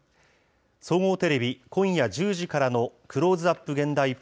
総合テレビ今夜１０時からのクローズアップ